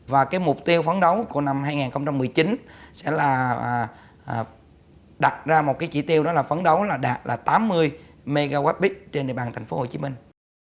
và cái mục tiêu phán đấu của năm hai nghìn một mươi chín sẽ là đặt ra một cái chỉ tiêu đó là phấn đấu là đạt tám mươi mwp trên địa bàn thành phố hồ chí minh